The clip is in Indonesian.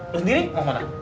lu sendiri mau kemana